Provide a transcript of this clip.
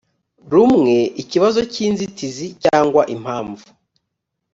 rumwe ikibazo cy inzitizi cyangwa impamvu